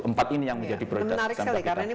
empat ini yang menjadi prioritas smk kita